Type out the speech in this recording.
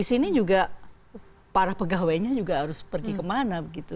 ini juga para pegawainya juga harus pergi kemana gitu